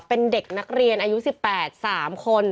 เป็นเด็กนักเรียนอายุ๑๘๓คน